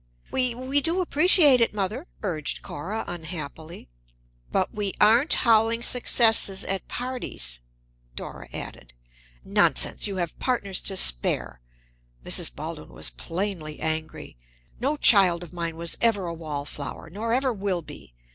"We we do appreciate it, mother," urged Cora, unhappily. "But we aren't howling successes at parties," Dora added. "Nonsense! You have partners to spare." Mrs. Baldwin was plainly angry. "No child of mine was ever a wallflower, nor ever will be.